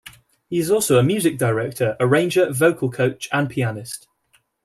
He is also a music director, arranger, vocal coach, and pianist.